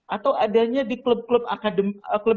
atau adanya di klub klub akademik